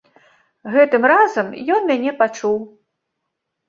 Гэтым разам ён мяне пачуў.